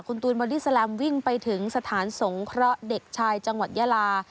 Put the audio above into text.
คุณตูนบอดี้แลมวิ่งไปถึงสถานสงเคราะห์เด็กชายจังหวัดยาลา